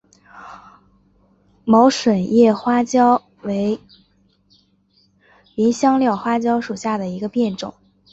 毛椿叶花椒为芸香科花椒属下的一个变种。